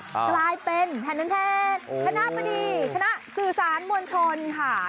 กลายเป็นแนนเทศคณะบดีคณะสื่อสารมวลชนค่ะ